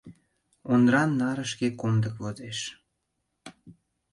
Ондран нарышке комдык возеш.